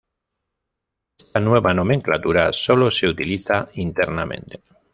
Esta nueva nomenclatura sólo se utiliza internamente.